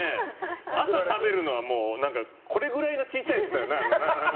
朝食べるのはもうこれくらいの小さいやつだよな。